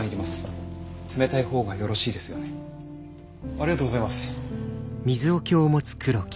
ありがとうございます。